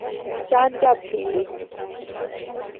ჯანჯაფილი